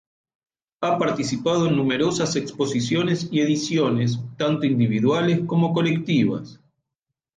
Ha participado en numerosas exposiciones y ediciones, tanto individuales como colectivas.